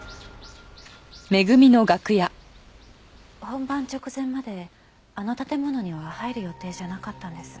本番直前まであの建物には入る予定じゃなかったんです。